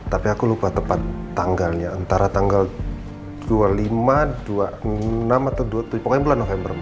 tapi aku lupa tepat tanggalnya antara tanggal dua puluh lima dua puluh enam atau pokoknya bulan november